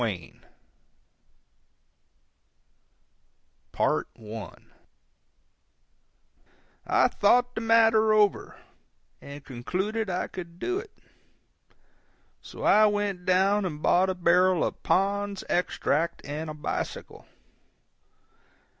I I thought the matter over, and concluded I could do it. So I went down and bought a barrel of Pond's Extract and a bicycle.